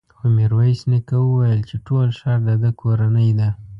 خو ميرويس نيکه وويل چې ټول ښار د ده کورنۍ ده.